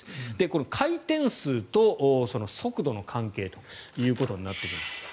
この回転数と速度の関係ということになってきます。